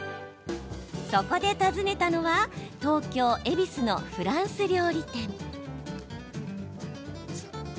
そこで訪ねたのは東京・恵比寿のフランス料理店。